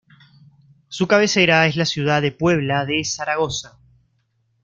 Su cabecera es la ciudad de Puebla de Zaragoza.